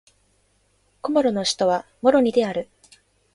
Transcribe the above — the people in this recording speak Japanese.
コモロの首都はモロニである